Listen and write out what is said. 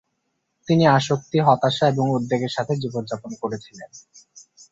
তিনি আসক্তি, হতাশা এবং উদ্বেগের সাথে জীবনযাপন করেছিলেন।